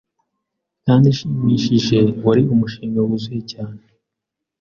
kandi ishimishije wari umushinga wuzuye cyane